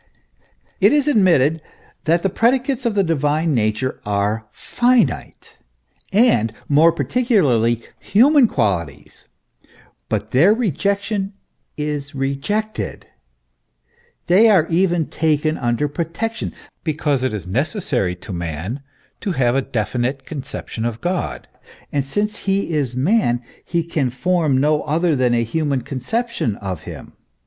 It is admitted that the predicates of the divine nature are finite, and, more particularly, human qualities, but their rejection is rejected; they are even taken under protection, because it is necessary to man to have a definite conception of God, and since he is 16 THE ESSENCE OF CHRISTIANITY. man, he can form no other than a human conception of him.